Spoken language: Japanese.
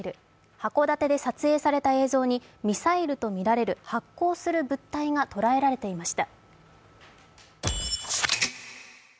函館で撮影された映像にミサイルとみられる発光する物体がとらえられていました。